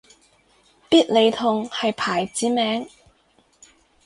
必理痛係牌子名